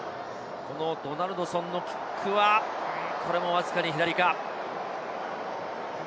ドナルドソンのキックは、これもわずかに左か。